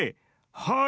「はい。